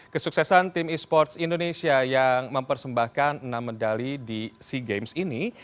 kesuksesan tim e sports indonesia yang mempersembahkan enam medali di sea games ini